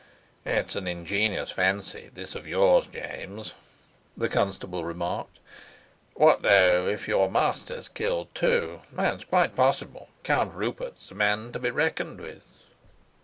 "It's an ingenious fancy, this of yours, James," the constable remarked. "What, though, if your master's killed too? That's quite possible. Count Rupert's a man to be reckoned with."